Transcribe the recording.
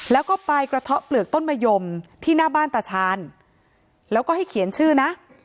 แล้วก็ไปกระเทาะเปลือกต้นมะยมที่หน้าบ้านตาชาญแล้วก็ให้เขียนชื่อนะ